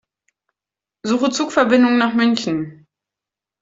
Suche Zugverbindungen nach München.